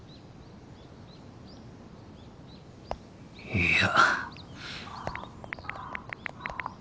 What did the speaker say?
いや。